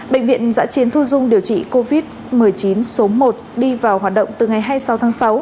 bệnh viện giã chiến thu dung điều trị covid một mươi chín số một đi vào hoạt động từ ngày hai mươi sáu tháng sáu